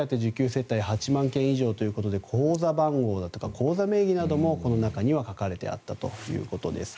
世帯８万件以上ということで口座番号や口座名義などもこの中には書かれてあったということです。